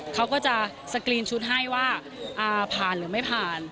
เขาก็จะสกรีนชุดให้ว่าผ่านหรือไม่ผ่าน